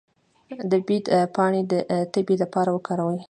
د بید پاڼې د تبې لپاره وکاروئ